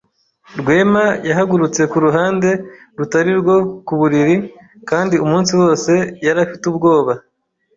Rwema yahagurutse ku ruhande rutari rwo ku buriri kandi umunsi wose yari afite ubwoba.